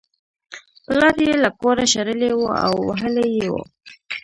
پلار یې له کوره شړلی و او وهلی یې و